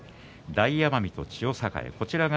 大奄美と千代栄。